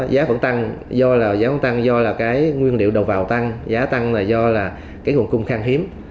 giá vẫn tăng do là cái nguyên liệu đầu vào tăng giá tăng là do là cái nguồn cung khang hiếm